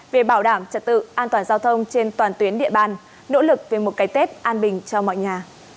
về bảo đảm trật tự an toàn giao thông trên toàn tuyến địa bàn nỗ lực về một cái tết an bình cho mọi nhà